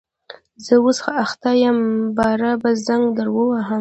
زه اوس اخته یم باره به زنګ در ووهم